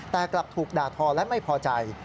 แต่กลับถูกด่าทอและไม่พอใจ